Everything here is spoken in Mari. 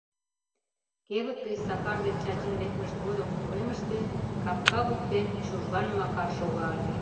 Кевыт гыч Сакар ден Чачин лекмышт годым уремыште, капка воктен, Чужган Макар шога ыле.